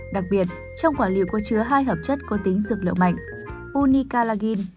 đặc biệt trong quả lựu có chứa hai hợp chất có tính dược lượng mạnh unicalagin